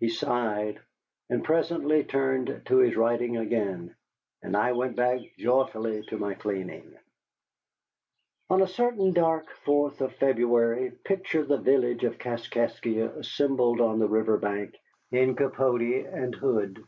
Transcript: He sighed, and presently turned to his writing again, and I went back joyfully to my cleaning. On a certain dark 4th of February, picture the village of Kaskaskia assembled on the river bank in capote and hood.